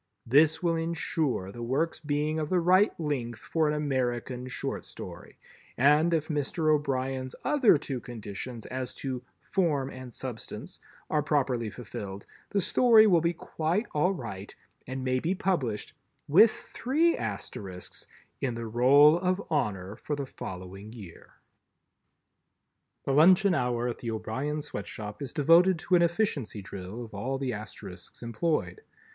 This will insure the work's being of the right length for an American Short Story, and, if Mr. O'Brien's other two conditions as to "form and substance" are properly fulfilled, the Story will be quite all right and may be published—with three Asterisks—in the Roll of Honor for the following year. The luncheon hour at the O'Brien Sweatshop is devoted to an Efficiency Drill of all the Asterisks employed.